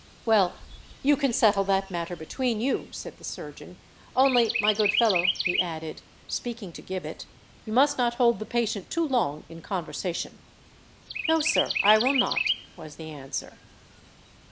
"Well—you can settle that matter between you," said the surgeon: "only, my good fellow," he added, speaking to Gibbet, "you must not hold the patient too long in conversation." "No, sir—I will not," was the answer.